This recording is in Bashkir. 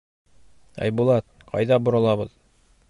— Айбулат, ҡайҙа боролабыҙ.